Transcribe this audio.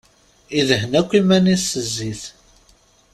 Idhen akk iman-is s zzit.